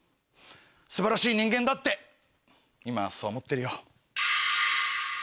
素晴らしい人間だって今はそう思ってるよ。